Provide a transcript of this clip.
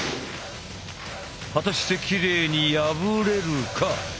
果たしてきれいに破れるか？